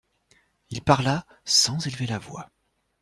Il parla sans élever la voix.